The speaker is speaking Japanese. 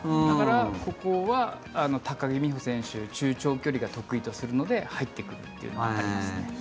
だから、ここは高木美帆選手は中長距離を得意とするので入ってくるというのがありますね。